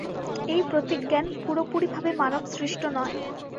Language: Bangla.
এই প্রতীকজ্ঞান পুরাপুরিভাবে মানব-সৃষ্ট নয়।